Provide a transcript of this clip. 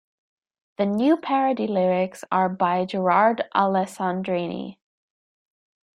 The "new" parody lyrics are by Gerard Alessandrini.